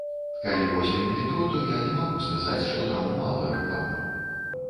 Калі возьмем метро, то я не магу сказаць, што там мала рэкламы.